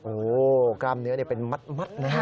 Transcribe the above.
โอ้กล้ามเนื้อเป็นมัด